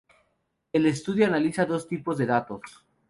El estudio analiza dos tipos de datos.